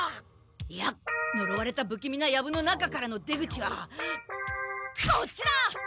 いやのろわれたぶきみなヤブの中からの出口はこっちだ！